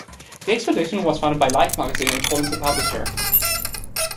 The expedition was funded by Life magazine and Collins the publisher.